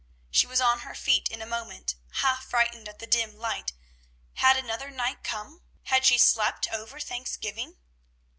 She was on her feet in a moment, half frightened at the dim light. Had another night come? Had she slept over Thanksgiving?